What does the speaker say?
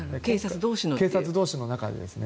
警察同士の中でですね。